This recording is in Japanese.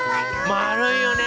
まるいよね